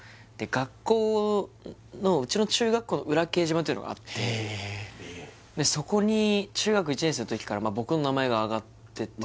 学校のうちの中学校の裏掲示板っていうのがあってそこに中学１年生の時から僕の名前が挙がってて